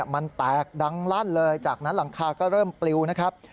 มันแตกดังลั่นเลยจากนั้นหลังคาก็เริ่มปลิวนะครับ